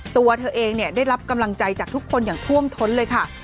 ตัวเธอเองได้รับกำลังใจจากทุกคนอย่างท่วมท้นเลยค่ะ